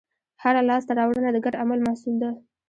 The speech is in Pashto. هره لاستهراوړنه د ګډ عمل محصول ده.